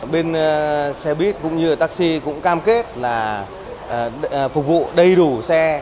bên xe buýt cũng như taxi cũng cam kết là phục vụ đầy đủ xe